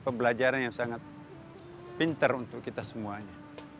pembelajaran yang sangat pintar untuk kita semuanya